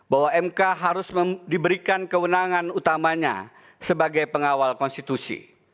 bahwa mk harus diberikan kewenangan utamanya sebagai pengawal konstitusi